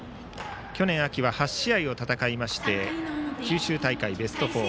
去年秋は８試合を戦いまして九州大会ベスト４。